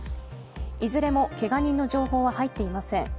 いずれもけが人の情報は入っていません。